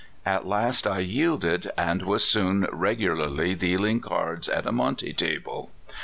At last I yielded, and was soon regularly dealing cards at a monte table.